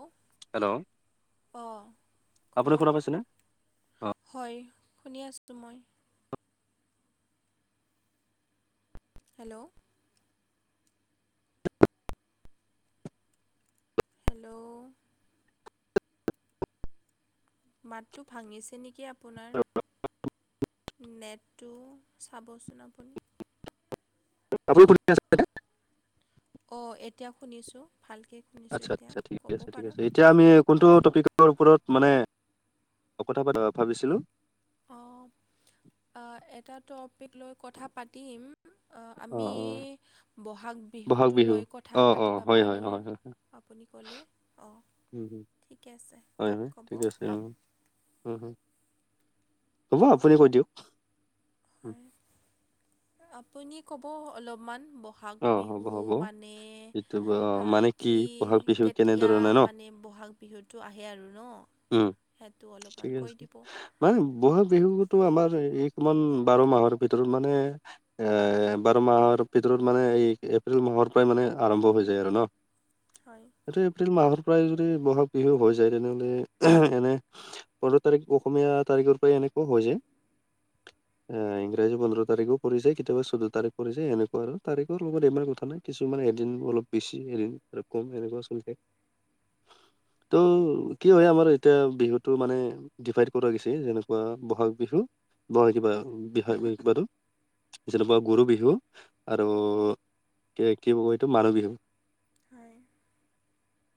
ঔ হেল্ল' অ, ক'ব। আপুনি শুনা পাইছেনে? অ হয় শুনি আছো মই। হেল্লও হেল্লো' মাতটো ভাঙিছে নেকি আপোনাৰ? নেটটো চাবচোন আপুনি। [unintelligible] অ, এতিয়া শুনিছো ভালকে শুনিছো আচ্ছা এতিয়া আচ্ছা ঠিক কব আছে ঠিক পাৰ আছে এতিয়া আমি কোনটো টপিকৰ ওপৰত মানে কথা পতা ভাবিছিলো - অঁ, অ, এটা টপিক লৈ কথা পাতিম। অ, আমি বহাগ বহাগ বিহুটো বিহু লৈ কথা অ অ পাতিবা হয় হয় পাৰো। হয় হয় আপুনি ক'লে, অ। উম উম হয় হয় ঠিকে আছে অ উম হ'ব ক'ব আপুনি কৈ দিয়ক উম, হয় আপুনি ক'ব অলপমান ব বহাগ অ হ'ব বিহু হ'ব মানে এইটো অ মানে কি বহাগ বিহু কেতিয়া কেনেধৰণে ন মানে বহাগ বিহুটো আহে আৰু ন উম সেইটো অলপমান ঠিক কৈ আছে দিব মানে ব'হাগ বিহুতো আমাৰ এইকমান বাৰ মাহৰ ভিতৰত মানে এ বাৰমাহৰ ভিতৰত মানে এই এপ্ৰিল মাহৰ পৰাই মানে আৰম্ভ হৈ যায় আৰু ন হয়। এইটো এপ্ৰিল মাহৰ পৰাই যদি বহাগ বিহু হৈ যায় তেনেহ'লে এনে - পোন্ধৰ তাৰিখ অসমীয়া তাৰিখৰ পৰাই এনেকুৱাই হৈ যায়। এ ইংৰাজী পোন্ধৰ তাৰিখো পৰি যায় কেতিয়াবা চৈধ্য তাৰিখ পৰি যায় এনেকুৱা আৰু তাৰিখৰ লগত এমান কথা নাই কিছুমান এদিন অলপ বেছি এদিন কম সেনেকুৱা চলি থাকে। ত' কি হয় আমাৰ এতিয়া বিহুটো মানে ডিভাইড কৰা গৈছে যেনেকুৱা বহাগ বিহু, বহাগ কিবা বিহাগ বুলি কিবাতো যেনেকুৱা গৰু বিহু আৰু কি কি কয় এইটো মানুহ বিহু হয় [inaudible]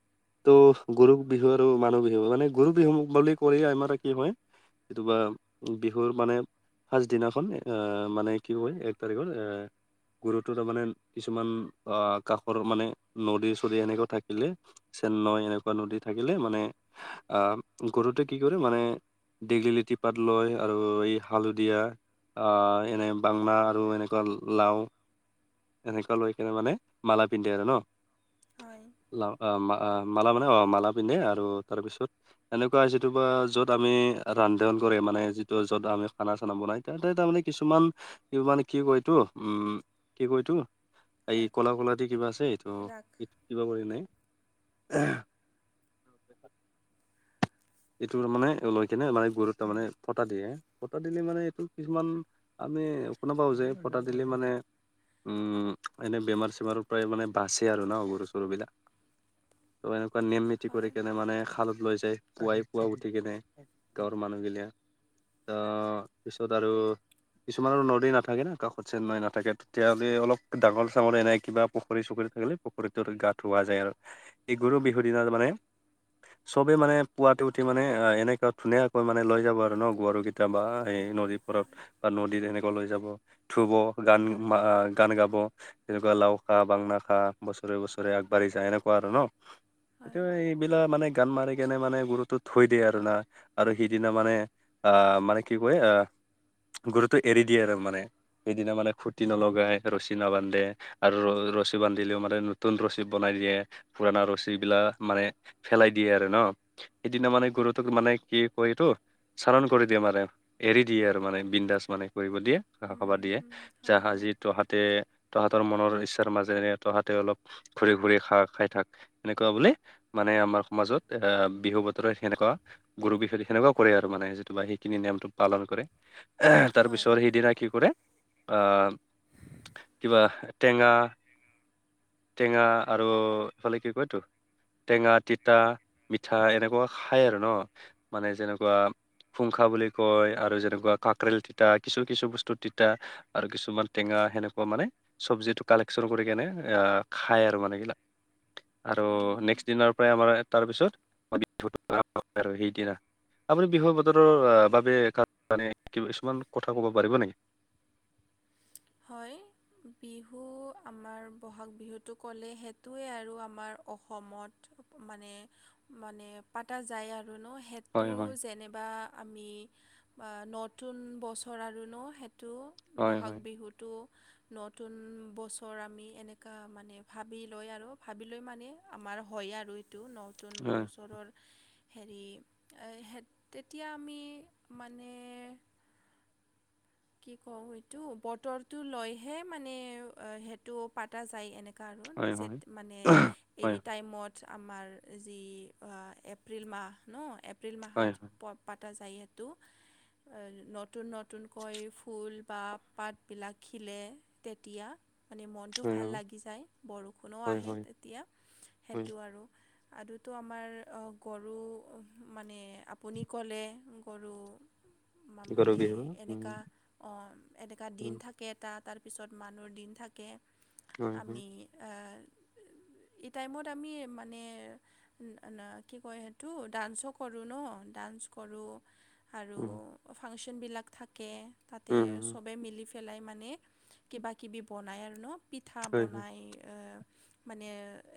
ত' গৰু বিহু আৰু মানুহ বিহু মানে গৰু বিহু বুলি ক'লে আমাৰ কি হয় কেতিবা বিহুৰ মানে ফাৰ্ষ্ট দিনাখন মানে কি কয় এক তাৰিখৰ গৰুতো তাৰমানেন কিছুমান আহ কাষৰ মানে নদী চদী সেনেকুৱা থাকিলে চেন নৈ এনেকুৱা নদী থাকিলে মানে আহ গৰুতে কি কৰে মানে ডিগল লিটি পাত লয় আৰু এই হালধীয়া আ এনে বাংনা আৰু এনেকুৱা লাও এনেকুৱা লৈ কেনে মানে মালা পিন্ধে আৰু ন হয় লাও আ আ মালা মানে অ মালা পিন্ধে আৰু তাৰপিছত এনেকুৱা যিটো বা য'ত আমি ৰান্ধন কৰে মানে যিটো য'ত আমি খানা চানা বনাই তেন্তে তাৰমানে কিছুমান কি মানে কি কয় এইটো উম কি কয় এটো এই ৰাখ কলা কলা দি কিবা আছে এইটো ৰাখ কিবা কয় নাই [unintelligible] এইটো মানে লৈ কিনে মান গৰুত তাৰ মানে ফটা দিয়ে ফটা দিলে মানে এইটো কিছুমান আমি শুনা পাওঁ যে পটা দিলে মানে উম এনেই বেমাৰ চেমাৰো প্ৰায় মানে বাচে আৰু ন গৰু চৰু বিলাক ত এনেকুৱা নিয়ম নীতি কৰি হয় কেনে মানে খালত লৈ যায় পুৱাই পোৱা উঠি কিনে গাঁৱৰ মানুহগিলিয়া ত পিছত আৰু কিছুমান আৰু নদী নাথাকে ন কাষত যেন নৈ নাথাকে তেতিয়াহ'লে অলপ ডাঙৰ চাঙৰ এনেই কিবা পুখুৰী চুখুৰী থাকিলে পুখুৰীটোৰ গা ধোৱা যায় আৰু এই গৰু উম, বিহুৰ দিনা মানে চবেই মানে পুৱাতে উঠি মানে এনেকুৱা ধুনীয়াকৈ মানে লৈ যাব আৰু ন গৰু কেইটা বা সেই নদীৰ পাৰত হয় বা নদীত এনেকুৱা লৈ যাব থুব গান গান গাব তেনেকুৱা লাও খা বাংনা খা বছৰে বছৰে আগবাঢ়ি যা এনেকুৱা আৰু ন'। হয় এতিয়া এইবিলাক মানে গান মাৰি কেনে মানে- কুকুৰতো থৈ দিয় আৰু না আৰু সিদিনা মানে আহ' মানে কি কয় আহ'- গৰুটো এৰি দিয়ে আৰু মানে সেইদিনা মানে খুতি নলগাই ৰছী নাবান্ধে। আৰু ৰ ৰছী বান্ধিলেও মানে নতুন ৰছী বনাই দিয়ে, পুৰণা ৰছী বিলাক মানে- পেলাই দিয়ে আৰু ন' সেইদিনা মানে গৰুটোক মানে কি কয় এইটো- সাৰন কৰি দিয়ে মানে এৰি দিয়ে আৰু মানে বিন্দাজ মানে কৰিব দিয়ে। ঘাঁহ খাব উম, দিয়ে, হুম, হয় হয় যাহাজি তহাতে তহঁতৰ মনৰ ইচ্ছাৰ মাজেৰে তহাতে অলপ- ঘূৰি ঘূৰি খা খাই থাক, এনেকুৱা বোলে মানে আমাৰ সমাজত এ- বিহু বতৰত সেনেকুৱা গৰু বিহু সেনেকুৱা কৰে আৰু মানে যিটো বা সেইখিনি নিয়ম- পালন কৰে, তাৰ হয় পিছত সেইদিনা কি কৰে- আঁ, কিবা টেঙা- টেঙা আৰু এইফালে কি কয় এইটো টেঙা, তিতা- পিঠা এনেকুৱা খায় আৰু ন' মানে যেনেকুৱা- পুংখা বুলি কয় আৰু যেনেকুৱা কাকৰেল তিতা কিছু কিছু বস্তুত তিতা- আৰু কিছুমান টেঙা সেনেকুৱা মানে- চব্জিটো কালেকচন কৰি কেনে আহ' খাই আৰু মানে এইবিলাক। আৰু উম, নেক্সট দিনৰ পৰাই আমাৰ তাৰপিছত বিহু আৰু [unintelligible] সেইদিনা। আপুনি বিহু বতৰৰ বাবে [unintelligible] কিছুমান কথা ক'ব পাৰিব নেকি! হয়। বিহু আমাৰ বহাগ বিহুটো ক'লে সেইটোৱে আৰু আমাৰ অসমত। মানে-মানে পতা যায় আৰু ন' হে- তো হয় হয় যেনেবা আমি নতুন বছৰ আৰু ন' হে- টো হয় বহাগ হয় বিহুটো- নতুন বছৰ আমি এনেকুৱা মানে ভাবি লৈ আৰু ভাবি লৈ মানে আমাৰ হয় আৰু- এইটো নতুন হয় বছৰৰ- হেৰি তেতিয়া আমি মানে- কি কওঁ এইটো বতৰটো লৈহে মানে সেইটো পতা যায় এনেকে- কাৰণ হয় যে হয় মানে- এই হয় টাইমত আমাৰ যি এপ্ৰিল মাহ ন' - এপ্ৰিল হয় মাহত প পাতা যায় এইটো, নতুন নতুন- কৈ ফুল বা পাতবিলাক খিলে তেতিয়া মানে মন- টো হয় ভাল লাগি যায় বৰষুণো হয় আহে হয় তেতিয়া হয় সেইটো আৰু। আৰুতো আমাৰ গৰু মানে আপুনি ক'লে গৰু- গৰু বিহুৰ। এনেকুৱা অঁ' এনেকুৱা দিন থাকে এটা তাৰপিছত মানুহৰ দিন থাকে। হয় হয় আমি আহ' এই টাইমত আমি মানে- কি কয় সেইটো ডান্সো কৰোঁ ন' ডান্স কৰোঁ- আৰু উম ফাংচনবিলাক থাকে তাতে উম চবে মিলি পেলাই মানে- কিবা কিবি বনায় আৰু ন' পিঠা হয় হয় বনাই- মানে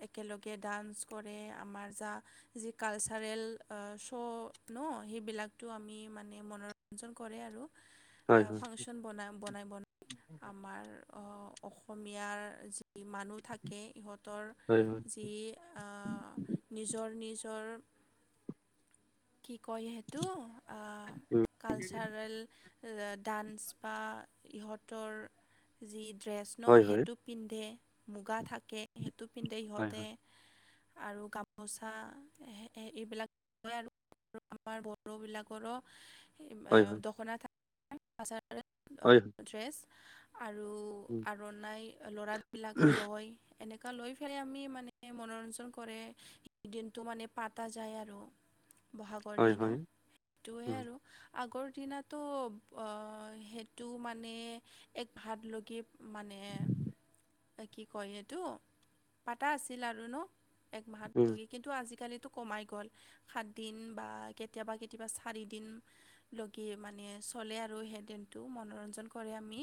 একেলগে ডান্স কৰে আমাৰ যা- যি কালচাৰেল অঁ, শ্ব' ন সেইবিলাকটো আমি মানে মনোৰঞ্জন কৰে আৰু। হয় হয় ফাংচন বা- বনাই বনাই আমাৰ অঁ, অসমীয়াৰ যি মানুহ থাকে ইহঁত- তৰ হয় যি আঁ' নিজৰ নিজৰ- কি কয় সেইটো অ কালচাৰেল, ডান্স বা ইহঁতৰ যি ড্ৰেছ ন হয় হয় সেইটো? পিন্ধে মুগা থাকে সেইটো পিন্ধে হয় সিহঁতে, আৰু গামোচা এইবিলাক আৰু আমাৰ বড়ো বিলাকৰো হয় হয় দখনা হয় হয় [inaudible] ড্ৰেছ আৰু উম আৰু নাই ল'ৰা? বিলাকো লয়! এনেকুৱা লৈ পেলাই আমি মানে মনোৰঞ্জন কৰে দিনটো মানে পাতা যায়। আৰু, [inaudible] বহাগৰ হয় দিনা হয় সেইটোৱে উম আৰু আগৰ দিনাত, - তো অঁ সেইটো মানে এক ভাত লৈকে মানে কি কয় এইটো পাতা আছিল আৰু ন? এক মাহত উম লৈ কিন্তু আজিকালিতো কমাই গ'ল সাতদিন বা কেতিয়াবা কেতিয়াবা চাৰিদিন, লগি মানে চলে আৰু সেই দিনটো মনোৰঞ্জন কৰে আমি,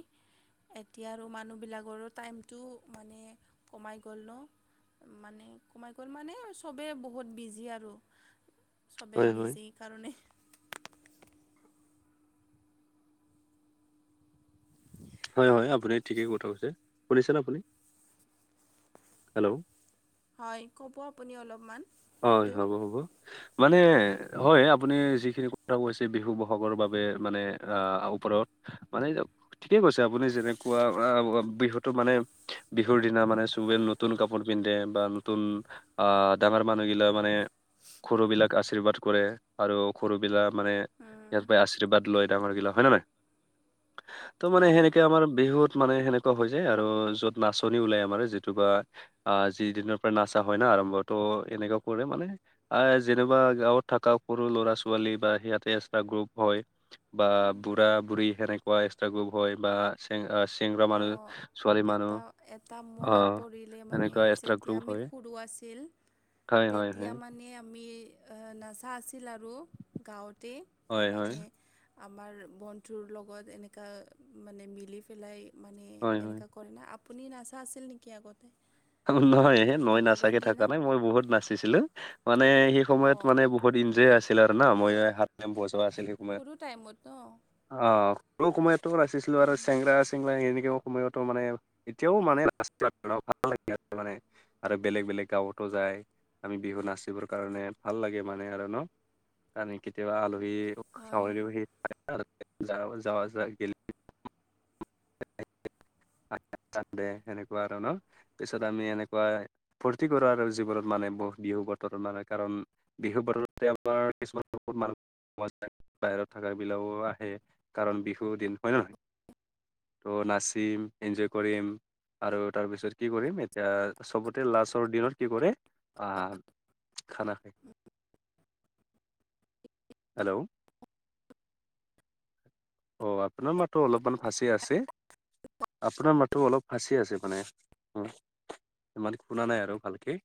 এতিয়া আৰু মানুহবিলাকৰো টাইমটো মানে কমাই গ'ল ন, মানে কমাই গ'ল মানে চবেই বহুত বিজি আৰু চবে হয় হয় বিজিৰ কাৰণে [inaudible] হয়, হয়, আপুনি ঠিকেই কথা কৈছে শুনিছেনে আপুনি? হেল্ল' হয়, ক'ব আপুনি অলপমান। হয়, সেইটো হ'ব হ'ব। মানে হয়, আপুনি যিখিনি কথা কৈছে। বিহু বহাগৰ বাবে মানে ওপৰত মানেক ঠিকেই কৈছে আপুনি যেনেকুৱা বিহুটো মানে বিহুৰ দিনা মানে চবৰে নতুন কাপোৰ পিন্ধে বা নতুন আহ ডাঙৰ মানুহগিলাক মানে সৰু বিলাক আশীৰ্বাদ কৰে আৰু সৰু বিলাক মানে উম, ইয়াৰ পৰা আশীৰ্বাদ লয় ডাঙৰ গিলা হয়, ন নে নাই? ত' মানে হয় সেনেকে আমাৰ বিহুত মানে সেনেকুৱা হৈ যায় আৰু য'ত নাচনি ওলাই আমাৰ যিটো বা আহ যিদিনৰ পৰা নাচা হয় ন আৰম্ভ তো এনেকুৱা কৰে মানে আহ যেনবা গাঁৱত থকা সৰু ল'ৰা ছোৱালী বা সিহঁতে এক্সত্ৰা গ্ৰুপ হয়। বা বুঢ়া বুঢ়ী সেনেকুৱা এক্সত্ৰা গ্ৰুপ হয় বা চেং আহ চেংৰা মানুহ অ', ছোৱালী এটা মানুহ এটা অ মনত পৰিলে মানে এনেকুৱা যে এক্সট্ৰা যেতেতিয়া গ্ৰুপ আমি হয় সৰু আছিল হয় হয় তেতিয়া হয় মানে আমি নচা আছিল আৰু গাঁৱতে হয় হয় মানে আমাৰ বন্ধুৰ লগত এনেকুৱা মানে মিলি পেলাই মানে হয় হয় এনেকুৱা কৰে ন' আপুনি নাচা আছিল নেকি আগতে? নহই মই বহাগৰ নাচাকে থকা দিনা নাই মই বহুত নাচিছিলো মানে সেই সময়ত অঁ মানে বহুত ইঞ্জয় আছিল আৰু না মইাও হাত বজোৱা আছিল সময়ত। সৰু টাইমত ন' অ', সৰু সমইটো নাচিছিলোঁ আৰু চেংগৰা চেংৰা এনেকেও সময়তো মানে এতিয়াও মানে ভাল লাগে আৰু মানে আৰু বেলেগ বেলেগ গাঁৱতো যায় আমি বিহু নাচিবৰ কাৰণে ভাল লাগে মানে আৰু ন'। কাৰান কেতিয়াবা আলহী হয় চাউলও সেই [unintelligible] সেনেকুৱা আৰু ন' পিছত আমি এনেকুৱা ফূৰ্তি কৰো আৰু জীৱনত মানে বহুত বিহু বতৰটো মানে কাৰণ বিহু বতৰতে আমাৰ কিছুমান বহুত মানুহ [inaudible] বাহিৰত থকা বিলাকও আহে কাৰণ বিহু দিন হয় নে নহয়? ত' নাচিম, ইঞ্জয় কৰিম আৰু তাৰপিছত কি কৰিম এতিয়া চবতে লাষ্টৰ দিনত কি কৰে বা খানা খাই, হেল্ল'? অ', আপোনাৰ মাতো অলপমান ফাঁচি আছে। আপোনাৰ মাতো অলপ ফাঁচি আছে মানে উম ইমান শুনা নাই আৰু ভালকে।